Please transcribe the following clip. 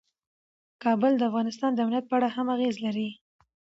کابل د افغانستان د امنیت په اړه هم اغېز لري.